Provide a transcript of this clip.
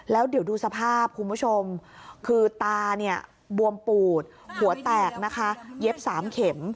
แล้วเดี๋ยวดูสภาพคุณผู้ชมคือตาเนี่ยบวมปูดหัวแตกนะคะเย็บ๓เข็ม